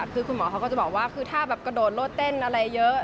คือคุณหมอเขาก็จะบอกว่าคือถ้าแบบกระโดดโลดเต้นอะไรเยอะ